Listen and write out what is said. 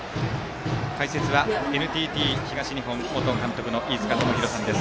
解説はＮＴＴ東日本元監督の飯塚智広さんです。